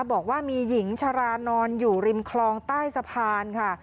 บอกว่ามีหญิงชรานอนอยู่ริมคลองใต้สะพานค่ะ